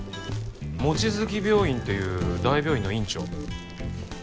望月病院っていう大病院の院長。